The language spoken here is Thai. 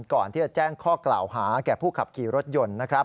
ก่อนที่จะแจ้งข้อกล่าวหาแก่ผู้ขับขี่รถยนต์นะครับ